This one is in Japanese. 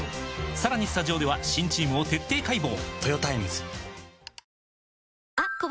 さらにスタジオでは新チームを徹底解剖！